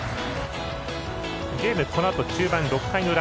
ゲーム、このあと中盤６回の裏。